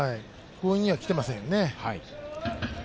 強引にはきてませんね。